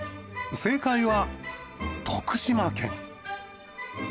正解は徳島県。